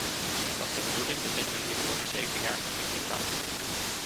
Het was de bedoeling de middelen hiervoor in zeven jaar te verdrievoudigen.